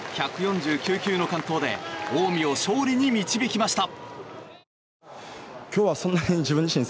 １４９球の完投で近江を勝利に導きました。